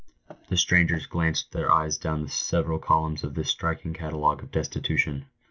The strangers glanced their eyes down the several columns of this striking catalogue of destitution.